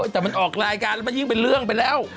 แต่มันออกรายการมันเรื่องไปแล้ว